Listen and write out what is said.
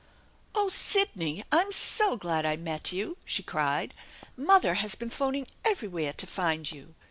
"Oh, Sidney ! I'm so glad I met you 1" she cried. "Mother has been phoning everywhere to find you.